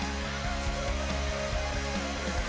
pertanyaan yang terakhir